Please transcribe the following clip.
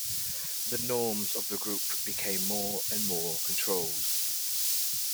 The norms of the group became more and more controlled.